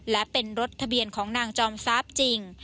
และเป็นรถทะเบียนของนางจอมทรัพย์จริง